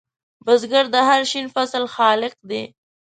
بزګر د هر شین فصل خالق دی